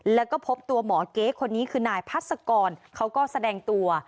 แล้วก็พบตัวหมอเก๊คนนี้คือนายพัศกรเขาก็แสดงตัว